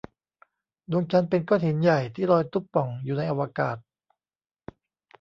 ดวงจันทร์เป็นก้อนหินใหญ่ ที่ลอยตุ๊บป่องอยู่ในอวกาศ